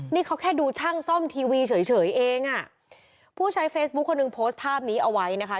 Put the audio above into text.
นี่เขาแค่ดูช่างซ่อมทีวีเฉยเฉยเองอ่ะผู้ใช้เฟซบุ๊คคนหนึ่งโพสต์ภาพนี้เอาไว้นะคะ